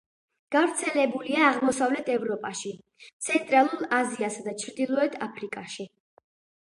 გავრცელებულია აღმოსავლეთ ევროპაში, ცენტრალურ აზიასა და ჩრდილოეთ აფრიკაში.